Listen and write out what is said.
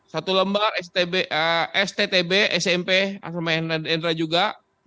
satu lembar sttb smp atas nama hendra juga